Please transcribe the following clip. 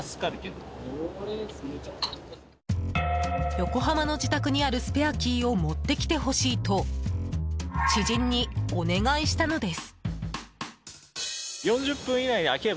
横浜の自宅にあるスペアキーを持ってきてほしいと知人にお願いしたのです。